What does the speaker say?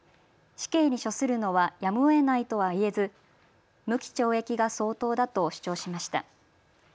死刑に処するのはやむをえないとは言えず無期懲役が相当だと主張しました。